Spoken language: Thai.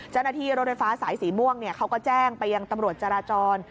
เจ้าหน้าที่รถไฟฟ้าสายสีม่วงเขาก็แจ้งไปยังตำรวจจราจร